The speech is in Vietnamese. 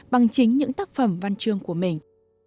bằng chính những tác phẩm văn trương của mình